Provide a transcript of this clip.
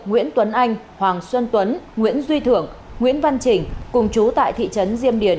nguyễn tuấn anh hoàng xuân tuấn nguyễn duy thưởng nguyễn văn trình cùng chú tại thị trấn diêm điền